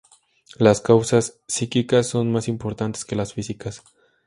Las causas psíquicas son más importantes que las físicas.